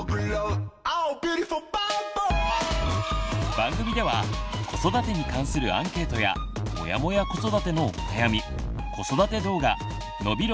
番組では子育てに関するアンケートや「モヤモヤ子育て」のお悩み子育て動画のびろ！